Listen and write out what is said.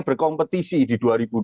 berkompetisi di dua ribu dua puluh